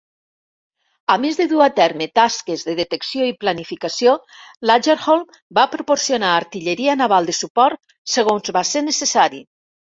A més de dur a terme tasques de detecció i planificació, l'"Agerholm" va proporcionar artilleria naval de suport segons va ser necessari.